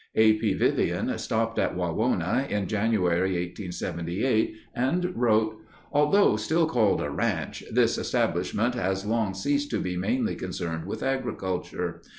A. P. Vivian stopped at Wawona in January, 1878, and wrote: Although still called a "ranche," this establishment has long ceased to be mainly concerned with agriculture.